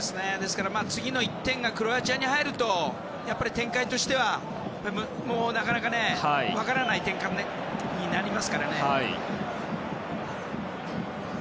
次の１点がクロアチアに入るとやっぱり分からない展開になりますからね。